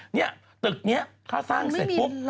เนี่ยตึกนี้ถ้าสร้างเสร็จปุ๊บ